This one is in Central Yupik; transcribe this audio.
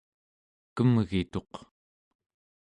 kemgituq